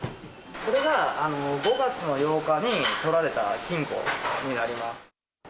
これが５月の８日にとられた金庫になります。